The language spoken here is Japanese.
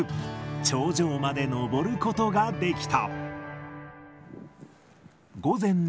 頂上まで登ることができた。